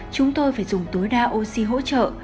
chúng tôi phải dùng tối đa oxy hỗ trợ